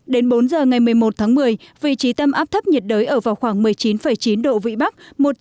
đến bốn giờ ngày một mươi một tháng một mươi vị trí tâm áp thấp nhiệt đới ở vào khoảng một mươi chín chín độ vĩ bắc